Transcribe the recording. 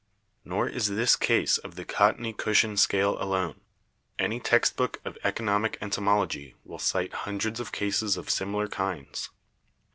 Nor is this case of the cottony cushion scale alone. Any text book of economic entomology will cite hundreds of cases of similar kinds.